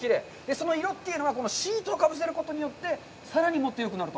その色というのは、シートをかぶせることによってさらにもっとよくなると。